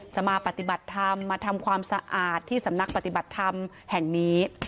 มาปฏิบัติธรรมมาทำความสะอาดที่สำนักปฏิบัติธรรมแห่งนี้